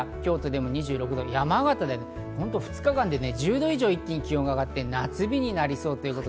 京都でも２６度、山形、２日間で１０度以上、一気に気温が上がって、夏日になりそう。